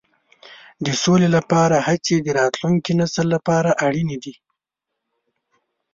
د سولې لپاره هڅې د راتلونکي نسل لپاره اړینې دي.